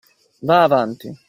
“Va’ avanti!